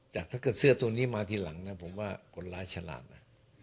แต่ถ้าเกิดเสื้อตัวนี้มาทีหลังนะผมว่าคนร้ายฉลาดนะ